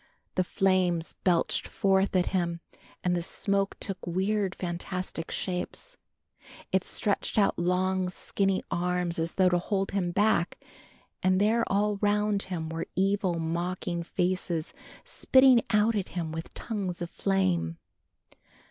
The flames belched forth at him and the smoke took weird fantastic shapes. It stretched out long skinny arms as though to hold him back and there all round him were evil mocking faces spitting out at him with tongues of flame.